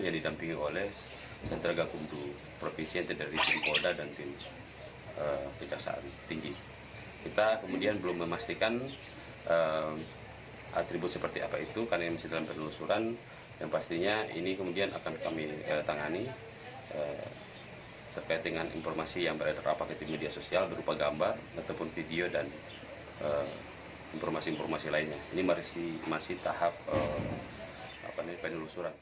di masing tahap pendulusuran